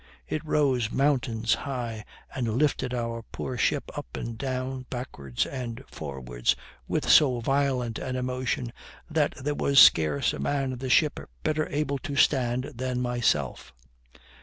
It rose mountains high, and lifted our poor ship up and down, backwards and forwards, with so violent an emotion, that there was scarce a man in the ship better able to stand than myself.